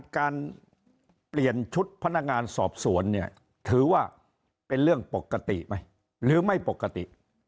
การเปลี่ยนชุดพนักงานสอบสวนเนี่ยถือว่าเป็นเรื่องปกติไหมหรือไม่ปกติ